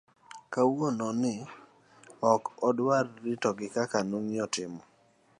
kawuono ni, ok nodwa ritogi kaka ne ong'iyo timo